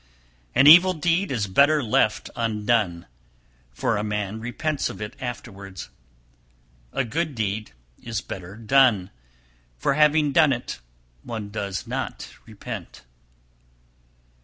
314. An evil deed is better left undone, for a man repents of it afterwards; a good deed is better done, for having done it, one does not repent.